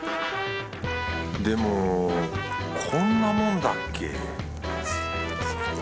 でもこんなもんだっけ？